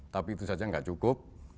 tapi itu saja tidak cukup